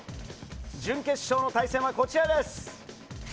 準決勝の対戦はこちらです。